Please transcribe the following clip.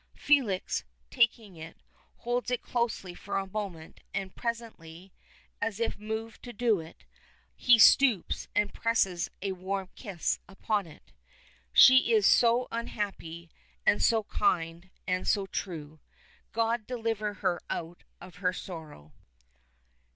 Felix, taking it, holds it closely for a moment, and presently, as if moved to do it, he stoops and presses a warm kiss upon it. She is so unhappy, and so kind, and so true. God deliver her out of her sorrow!